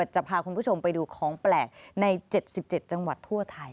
จะพาคุณผู้ชมไปดูของแปลกใน๗๗จังหวัดทั่วไทย